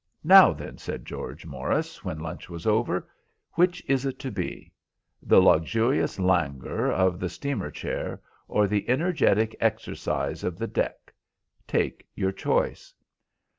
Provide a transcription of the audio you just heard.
"Now then," said George Morris, when lunch was over, "which is it to be? The luxurious languor of the steamer chair or the energetic exercise of the deck? Take your choice."